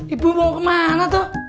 ibu mau kemana tuh